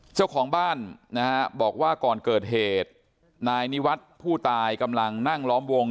เจ้าของบ้านนะฮะบอกว่าก่อนเกิดเหตุนายนิวัฒน์ผู้ตายกำลังนั่งล้อมวง